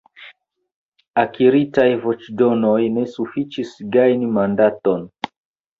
Akiritaj voĉdonoj ne sufiĉis gajni mandaton.